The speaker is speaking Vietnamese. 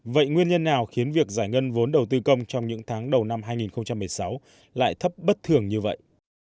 vậy nguyên nhân nào khiến việc giải ngân vốn đầu tư công trong những tháng đầu năm hai nghìn một mươi sáu lại thấp bất thường như vậy